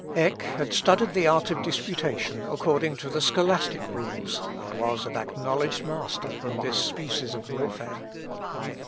Eck had studied the art of disputation according to the scholastic rules, and was an acknowledged master in this species of warfare.